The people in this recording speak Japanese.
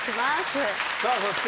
さあそして？